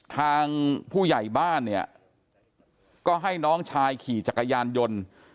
ทางผู้ใหญ่บ้านเนี่ยก็ให้น้องชายขี่จักรยานยนต์